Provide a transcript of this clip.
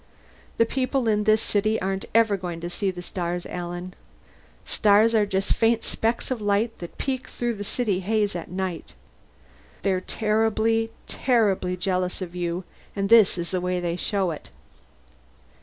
The people in this city aren't ever going to see the stars, Alan. Stars are just faint specks of light that peek through the city haze at night. They're terribly, terribly jealous of you and this is the way they show it."